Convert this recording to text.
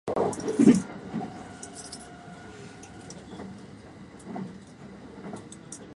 あと一問